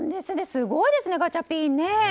すごいですね、ガチャピン。